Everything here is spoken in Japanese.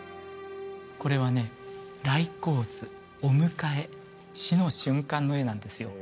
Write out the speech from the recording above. これはね「来迎図」お迎え死の瞬間の絵なんですよ